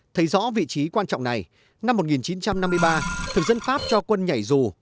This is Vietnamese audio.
thấy rõ vị trí quan trọng này năm một nghìn chín trăm năm mươi ba thực dân pháp cho quân nhảy dù